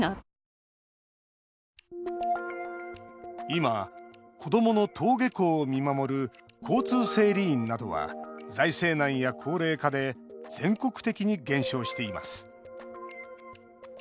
今、子どもの登下校を見守る交通整理員などは財政難や高齢化で全国的に減少しています。